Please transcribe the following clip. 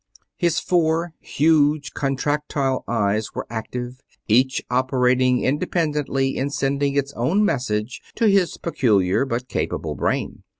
His four huge and contractile eyes were active, each operating independently in sending its own message to his peculiar but capable brain.